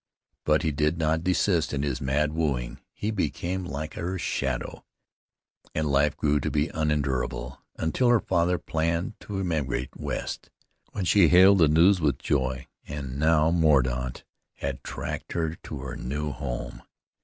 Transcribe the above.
But he did not desist in his mad wooing. He became like her shadow, and life grew to be unendurable, until her father planned to emigrate west, when she hailed the news with joy. And now Mordaunt had tracked her to her new home.